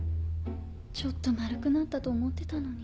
ちょっと丸くなったと思ってたのに。